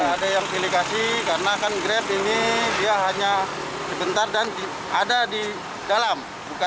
ada yang pilih kasih karena kan grab ini dia hanya sebentar dan ada di dalam